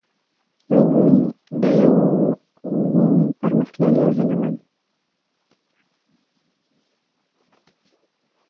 د يو روڼ، پرمختللي او هيله من